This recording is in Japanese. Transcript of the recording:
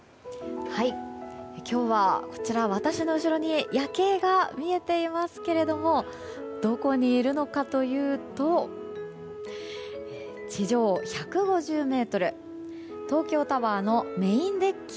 今日は、私の後ろに夜景が見えていますけれどもどこにいるのかというと地上１５０ｍ東京タワーのメインデッキ。